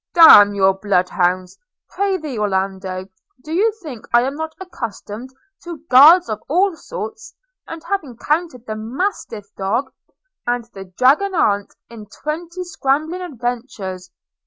'D – n your blood hounds! – Pr'ythee, Orlando, do you think I am not accustomed to guards of all sorts, and have encountered the mastiff dog, and the dragon aunt, in twenty scrambling adventures?'